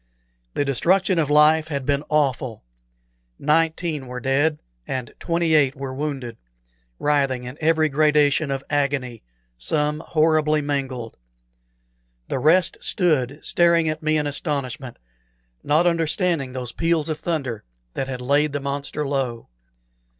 The destruction of life had been awful. Nineteen were dead, and twenty eight were wounded, writhing in every gradation of agony, some horribly mangled. The rest stood staring at me in astonishment, not understanding those peals of thunder that had laid the monster low.